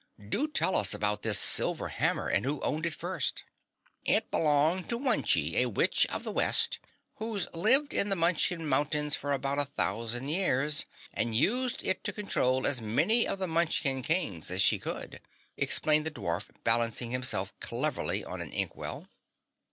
"Do tell us about this silver hammer and who owned it first." "It belonged to Wunchie, a witch of the West, who's lived in the Munchkin Mountains for about a thousand years, and used it to control as many of the Munchkin Kings as she could," explained the dwarf balancing himself cleverly on an ink well.